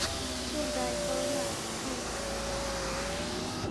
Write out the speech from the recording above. চুল ডাই করো না কি?